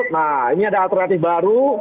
nah ini ada alternatif baru